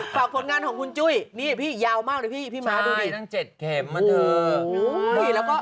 ฝากผลงานของคุณจุ้ยนี่พี่ยาวมากน่ะพี่พี่ม้าดูดิ